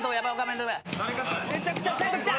めちゃくちゃ生徒来た！